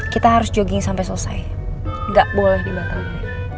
kita harus jogging sampe selesai gak boleh dibatalkan